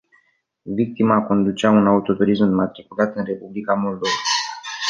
Victima conducea un autoturism înmatriculat în Republica Moldova.